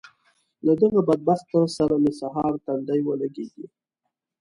له دغه بدبخته سره مې سهار تندی ولګېږي.